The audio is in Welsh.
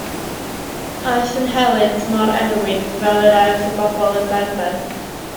Aeth yn helynt mor erwin fel yr aeth y bobl yn benben.